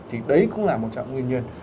thì đấy cũng là một trong nguyên nhân